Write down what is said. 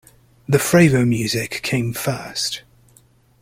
The frevo music came first.